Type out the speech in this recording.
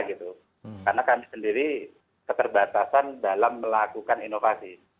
karena kami sendiri keterbatasan dalam melakukan inovasi